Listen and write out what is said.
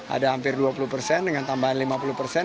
ada hampir dua puluh persen dengan tambahan lima puluh persen